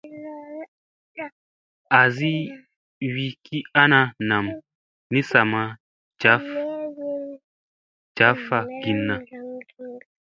Azi wi ki ana nam ni sa caffa ginna.